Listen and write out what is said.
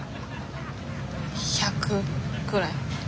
１００くらい？